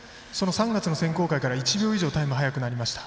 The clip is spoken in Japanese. ３月の選考会から１秒以上タイム早くなりました。